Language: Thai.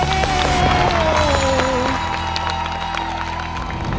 เย้